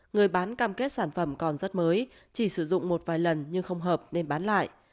người bán cam kết sản phẩm còn rất mới chỉ sử dụng một vài lần nhưng không hợp nên bán lại